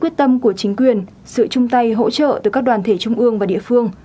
quyết tâm của chính quyền sự chung tay hỗ trợ từ các đoàn thể trung ương và địa phương